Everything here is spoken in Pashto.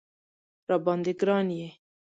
راباندې ګران یې